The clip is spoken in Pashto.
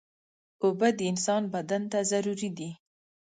اوبه د انسان بدن ته ضروري دي.